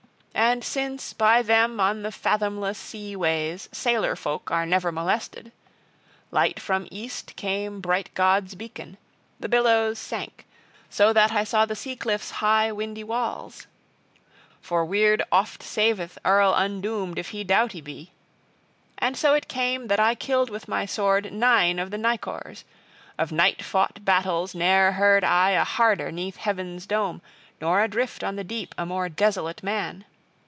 And since, by them on the fathomless sea ways sailor folk are never molested. Light from east, came bright God's beacon; the billows sank, so that I saw the sea cliffs high, windy walls. For Wyrd oft saveth earl undoomed if he doughty be! And so it came that I killed with my sword nine of the nicors. Of night fought battles ne'er heard I a harder 'neath heaven's dome, nor adrift on the deep a more desolate man!